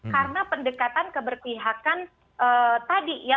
karena pendekatan keberpihakan tadi ya